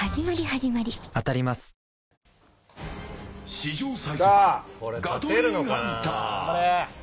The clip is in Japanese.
史上最速ガトリンハンター。